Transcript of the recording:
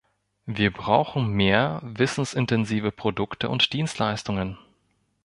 Wir brauchen mehr wissensintensive Produkte und Dienstleistungen.